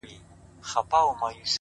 که انارگل وي او که وي د بادام گل گلونه!